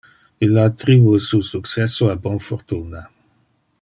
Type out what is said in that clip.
Ille attribue su successo a bon fortuna.